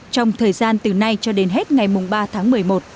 trong thời gian từ nay cho đến hết ngày ba tháng một mươi một